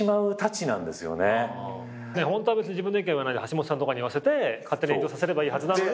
ホントは自分の意見言わないで橋下さんとかに言わせて勝手に炎上させればいいはずなのに。